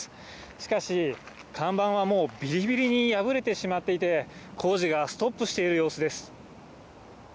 しかし、看板はもうびりびりに破れてしまっていて、工事がストップしている様子です。